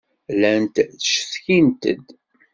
Llant ttcetkint-d.